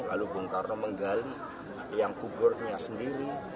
lalu bung karno menggali yang kuburnya sendiri